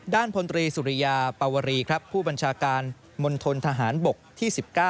พลตรีสุริยาปวรีครับผู้บัญชาการมณฑนทหารบกที่๑๙